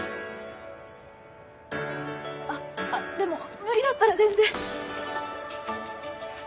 あっでも無理だったら全然